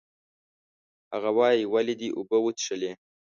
هغه وایي، ولې دې اوبه وڅښلې؟